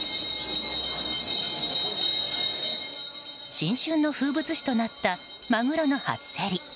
新春の風物詩となったマグロの初競り。